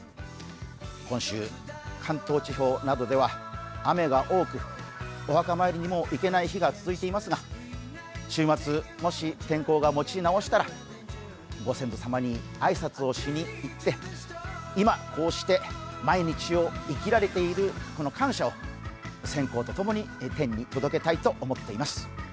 今週、関東地方などでは雨が多くお墓参りにも行けない日が続いていますが週末もし天候が持ち直したら、ご先祖様に挨拶をしに行って、今、こうして毎日を生きられている感謝を線香とともに天に届けたいと思います。